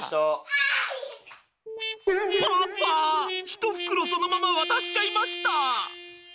一袋そのまま渡しちゃいました。